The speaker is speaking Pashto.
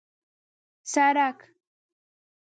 سړک